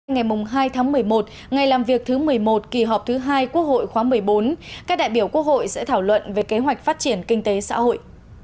ngày hai tháng một mươi một ngày làm việc thứ một mươi một kỳ họp thứ hai quốc hội khóa một mươi bốn các đại biểu quốc hội sẽ thảo luận về kế hoạch phát triển kinh tế xã hội